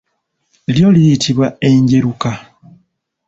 Lyo liyitibwa enjeruka.